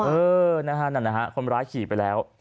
เออนะฮะคนร้ายขี่ไปแล้ว